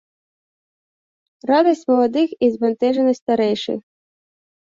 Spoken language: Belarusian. Радасць маладых і збянтэжанасць старэйшых.